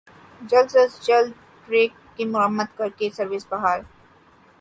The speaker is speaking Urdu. جلد از جلد ٹریک کی مرمت کر کے سروس بحال